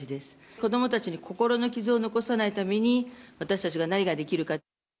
子どもたちの心の傷を残さないために、私たちが何ができるか。